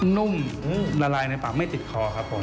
นุ่มละลายในปากไม่ติดคอครับผม